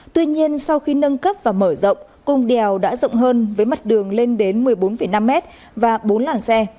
tuy nhiên sau khi nâng cấp và mở rộng cung đèo đã rộng hơn với mặt đường lên đến một mươi bốn năm mét và bốn làn xe